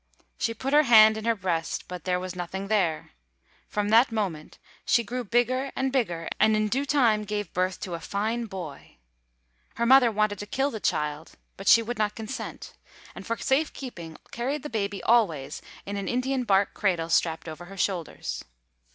She put her hand in her breast, but there was nothing there. From that moment she grew bigger and bigger, and in due time gave birth to a fine boy. Her mother wanted to kill the child; but she would not consent, and, for safe keeping, carried the baby always in an Indian bark cradle strapped over her shoulders.